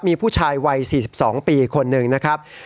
มีผู้ชายวัย๔๒ปีคนหนึ่งนะครับ